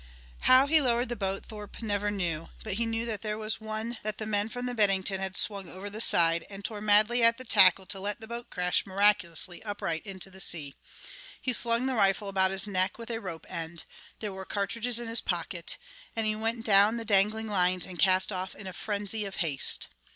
How he lowered the boat Thorpe never knew. But he knew there was one that the men from the Bennington had swung over the side, and tore madly at the tackle to let the boat crash miraculously upright into the sea. He slung the rifle about his neck with a rope end there were cartridges in his pocket and he went down the dangling lines and cast off in a frenzy of haste.